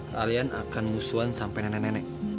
kalian akan musuhan sampai nenek nenek